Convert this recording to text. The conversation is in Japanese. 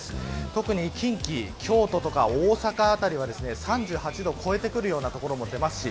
特に近畿、京都とか大阪辺りは３８度を超えてくるような所も出ます。